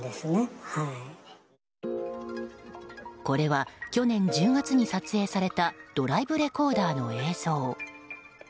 これは去年１０月に撮影されたドライブレコーダーの映像。